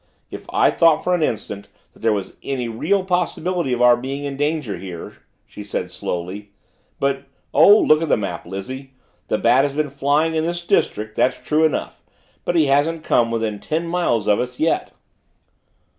"If I thought for an instant that there was any real possibility of our being in danger here " she said slowly. "But oh, look at the map, Lizzie! The Bat has been flying in this district that's true enough but he hasn't come within ten miles of us yet!"